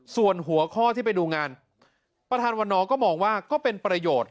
ส่วนหัวข้อที่ไปดูงานประธานวันนอก็มองว่าก็เป็นประโยชน์